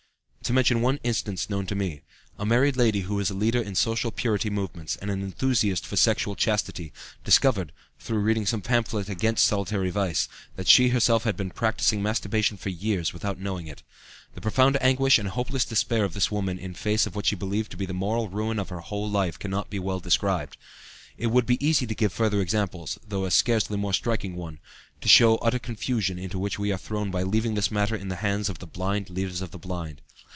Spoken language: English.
To mention one instance known to me: a married lady who is a leader in social purity movements and an enthusiast for sexual chastity, discovered, through reading some pamphlet against solitary vice, that she had herself been practicing masturbation for years without knowing it. The profound anguish and hopeless despair of this woman in face of what she believed to be the moral ruin of her whole life cannot well be described. It would be easy to give further examples, though scarcely a more striking one, to show the utter confusion into which we are thrown by leaving this matter in the hands of blind leaders of the blind.